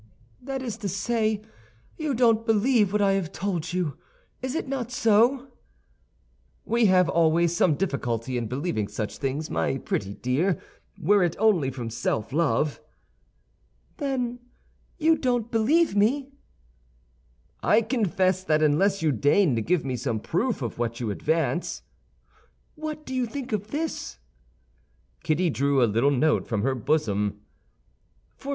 "That is to say, you don't believe what I have told you; is it not so?" "We have always some difficulty in believing such things, my pretty dear, were it only from self love." "Then you don't believe me?" "I confess that unless you deign to give me some proof of what you advance—" "What do you think of this?" Kitty drew a little note from her bosom.